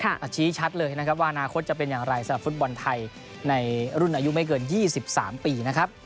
สรุปลันที่๕สะชี้ชัดเลยว่าอนาคตจะเป็นอย่างไรสำหรับฟุตบอลไทยในรุ่นอายุไม่เกิน๒๓ปี